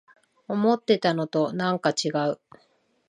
思ってたのとなんかちがう